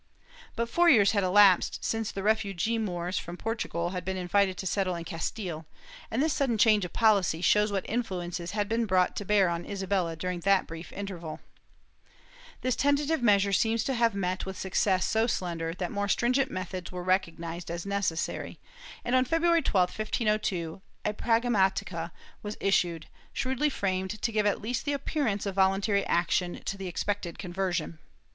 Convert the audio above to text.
^ But four years had elapsed since the refugee Moors from Portugal had been invited to settle in Castile, and this sudden change of poHcy shows what influences had been brought to bear on Isabella during that brief interval. * Boronat, Los Moriscos espafioles, I, 113. Chap. II] CONVERSION IN CASTILE 325 This tentative measure seems to have met with success so slender that more stringent methods were recognized as necessary and, on February 12, 1502, a pragmdtica was issued, shrewdly framed to give at least the appearance of voluntary action to the expected conversion.